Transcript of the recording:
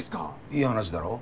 いい話だろ？